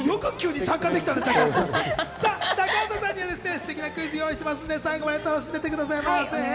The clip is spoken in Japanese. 高畑さんにはすてきなクイズを用意していますので最後まで楽しんでいってくださいね。